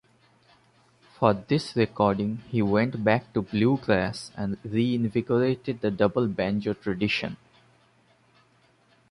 For this recording he went back to bluegrass and reinvigorated the double banjo tradition.